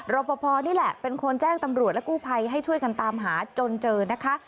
ปภนี่แหละเป็นคนแจ้งตำรวจและกู้ภัยให้ช่วยกันตามหาจนเจอนะคะ